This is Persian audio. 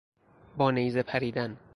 با نیزه پریدن